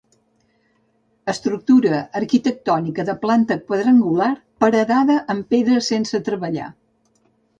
Estructura arquitectònica de planta quadrangular paredada amb pedra sense treballar.